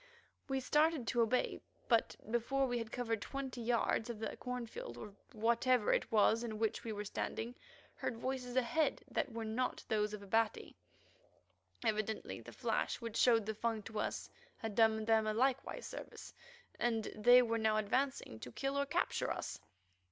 We started to obey, but before we had covered twenty yards of the cornfield or whatever it was in which we were standing, heard voices ahead that were not those of Abati. Evidently the flash which showed the Fung to us had done them a like service, and they were now advancing to kill or capture us.